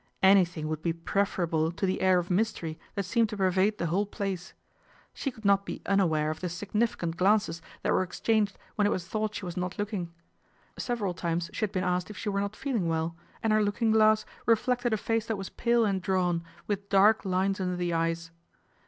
Anything would be preferable to the air of mystery that seemed to pervade the whole place. She could not be unaware of the significant glances that were PATRICIA'S INCONSTANCY 233 exchanged when it was thought she was not look ing. Several times she had been asked if she were not feeling well, anO her looking glass reflected a face that was pale and drawn, with dark lines under the eyes.